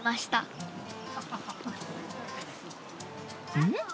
うん？